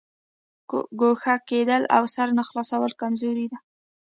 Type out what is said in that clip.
ګوښه کېدل او سر نه خلاصول کمزوري ده.